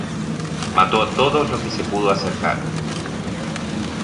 Mató a todos a los que se pudo acercar.